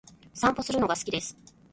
散歩するのが好きです。